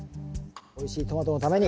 おいしいトマトのために。